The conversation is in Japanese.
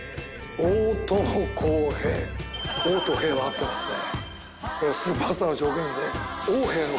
「大」と「平」は合ってますね。